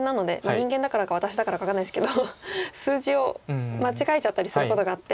人間だからか私だからか分かんないですけど数字を間違えちゃったりすることがあって。